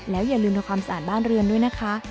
อย่าลืมทำความสะอาดบ้านเรือนด้วยนะคะ